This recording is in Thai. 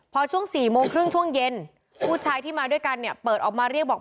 พอช่วง๔โมงครึ่งช่วงเย็นผู้ชายที่มาด้วยกันเนี่ยเปิดออกมาเรียกบอก